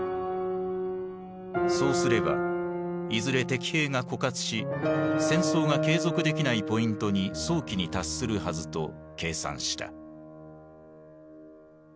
そうすればいずれ敵兵が枯渇し戦争が継続できないポイントに早期に達するはずと計算した。